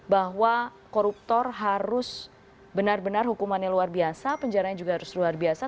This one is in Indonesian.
bahwa koruptor harus benar benar hukumannya luar biasa penjaranya juga harus luar biasa